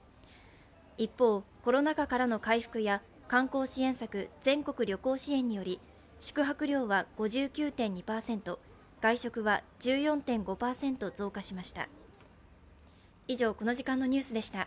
一方、コロナ禍からの回復や観光支援策、全国旅行支援により宿泊料は５９．２％、外食は１４．５％増加しました。